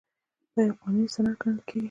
دا یو قانوني سند ګڼل کیږي.